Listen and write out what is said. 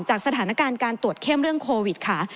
สถานการณ์การตรวจเข้มเรื่องโควิดค่ะ